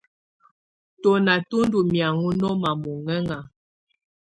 Tɔ́ná tú ndɔ́ mɛ̀áŋɔ́ nɔ́ma mɔŋɛ́ŋa.